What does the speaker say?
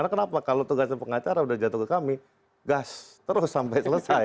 kenapa kalau tugasnya pengacara sudah jatuh ke kami gas terus sampai selesai